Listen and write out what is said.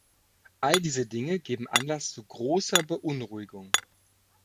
All diese Dinge geben Anlass zu großer Beunruhigung.